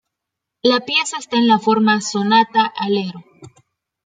La pieza está en la forma sonata-allegro.